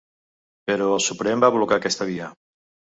Però el Suprem va blocar aquesta via.